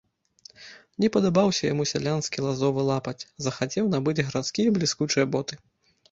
Не падабаўся яму сялянскі лазовы лапаць, захацеў набыць гарадскія бліскучыя боты.